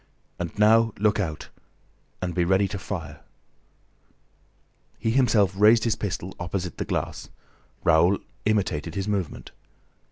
"And now, look out! And be ready to fire." He himself raised his pistol opposite the glass. Raoul imitated his movement.